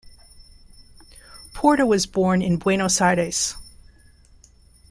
Porta was born in Buenos Aires.